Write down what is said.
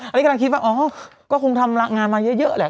อันนี้คิดว่าก็คงทำงานระเยอะแหละ